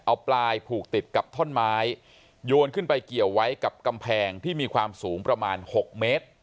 เอาปลายผูกติดกับท่อนไม้โยนขึ้นไปเกี่ยวไว้กับกำแพงที่มีความสูงประมาณ๖เมตร